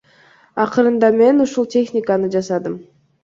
Акырында мын ушул техниканы жасадым.